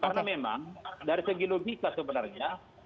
karena memang dari segi logika sebenarnya